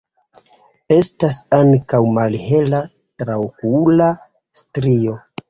Estas ankaŭ malhela traokula strio.